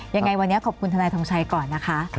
ยังไงวันนี้ขอบคุณทนายทองชัยก่อนนะคะ